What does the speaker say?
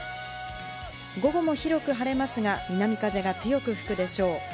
午後も広く晴れますが、南風が強く吹くでしょう。